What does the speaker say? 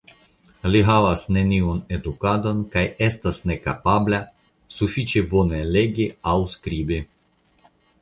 Li havas neniun edukadon kaj estas nekapabla sufiĉe bone legi aŭ skribi.